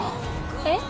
えっ？